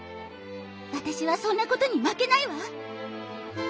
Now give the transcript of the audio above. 私はそんなことに負けないわ。